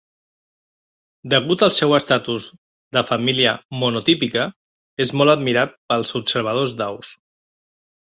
Degut al seu estatus de família monotípica, és molt admirat pels observadors d'aus.